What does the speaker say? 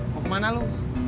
mau kemana lo